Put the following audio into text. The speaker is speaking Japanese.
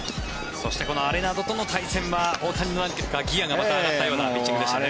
そしてこのアレナドとの対戦は大谷のギアがまた上がったようなピッチングでしたね。